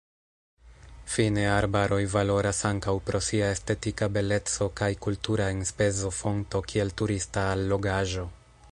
Fine arbaroj valoras ankaŭ pro sia estetika beleco kaj kultura enspezofonto kiel turista allogaĵo.